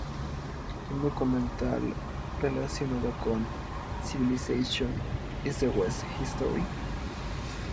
Un documental relacionado "Civilization: Is the West History?